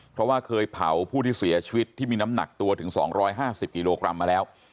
เพราะว่าเคยเผาผู้ที่เสียชีวิตที่มีน้ำหนักตัวถึง๒๕๐กิโลกรัมมาแล้ว